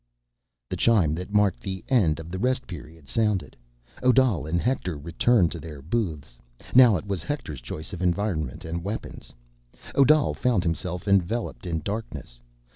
The chime that marked the end of the rest period sounded. Odal and Hector returned to their booths. Now it was Hector's choice of environment and weapons. Odal found himself enveloped in darkness.